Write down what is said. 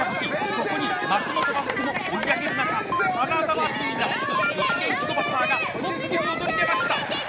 そこに松本バスクも追い上げる中花澤ピーナッツ四谷いちごバターがトップに躍り出ました！